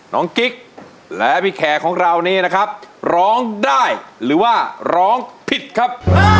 กิ๊กและพี่แขกของเรานี่นะครับร้องได้หรือว่าร้องผิดครับ